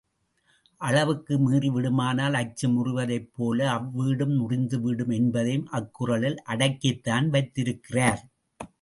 அளவுக்கு மீறிவிடுமானால், அச்சு முறிவதைப்போல அவ்வீடும் முறிந்துவிடும் என்பதையும் அக்குறளில் அடக்கித்தான் வைத்திருக்கிறார்.